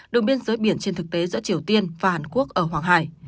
đường biên giới biển trên thực tế giữa triều tiên và hàn quốc ở hoàng hải